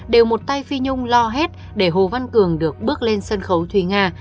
đều một tay phi nhung lo hết để hồ văn cường được bước lên sân khấu thúy nga